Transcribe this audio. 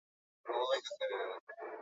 Gosaldu duzu?